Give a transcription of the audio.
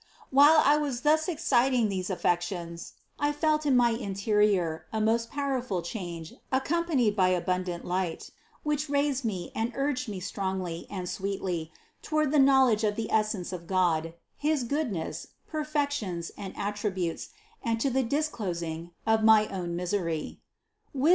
While I was thus exciting these affections, I felt in my interior a most powerful change accompanied by abundant light which raised me and urged me strongly and sweetly toward the knowledge of the essence of God, his goodness, perfections and attributes, and to the dis closing of my own misery (Wis.